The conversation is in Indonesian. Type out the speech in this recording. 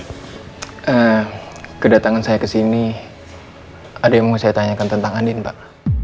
eh kedatangan saya kesini ada yang mau saya tanyakan tentang andin pak